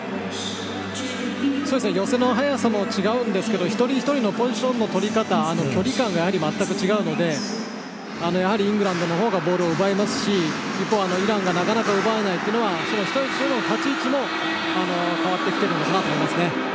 寄せの早さも違うんですが一人一人のポジションのとり方距離感が全く違うのでイングランドの方がボールを奪えますし一方、イランがなかなか奪えないのは一人一人の立ち位置も変わってきているのかなと思いますね。